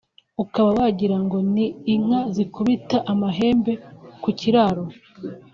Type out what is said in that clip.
ukaba wagira ngo ni inka zikubita amahembe ku kiraro